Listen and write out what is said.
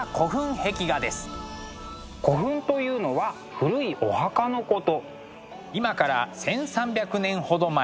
古墳というのは古いお墓のこと。